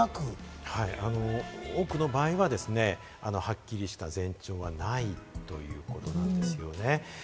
多くの場合はですね、はっきりした前兆はないということなんですよね。